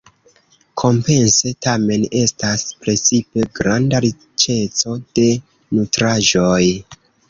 Kompense tamen estas precipe granda riĉeco de nutraĵoj.